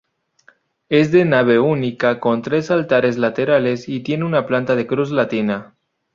Es de nave única, con tres altares laterales y tiene planta de cruz latina.